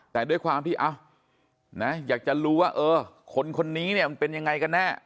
แต่ด้วยความที่อยากจะรู้ว่าเออคนนี้เนี่ยมันเป็นยังไงกันแน่